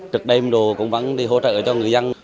trực đêm đồ cũng vẫn đi hỗ trợ cho người dân